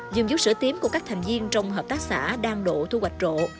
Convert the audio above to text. dùng dũ sữa tím của các thành viên trong hợp tác xã đam độ thu hoạch rộ